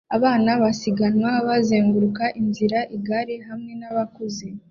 Abana basiganwa bazenguruka inzira-igare hamwe nabakuze